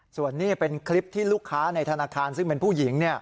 ส่วนนี้เป็นคลิปที่ลูกค้าในธนาคารซึ่งเป็นผู้หญิง